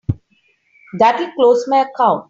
That'll close my account.